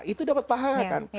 itu dapat pahala kan